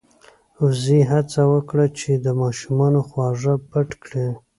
وزې هڅه وکړه چې د ماشومانو خواږه پټ کړي.